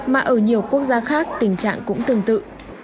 mà ở nhiều quốc gia khác tình trạng cũng tương tự